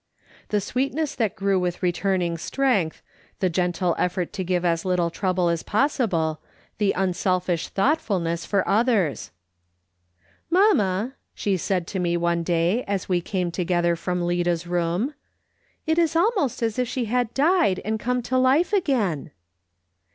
The sweetness that grew with returning strength, the gentle effort to give as little trouble as possible, the unselfish thoughtfulness for others !" Mamma," she said to me one day as we came together from Lida's room, " it is almost as if she had died and come to life arain."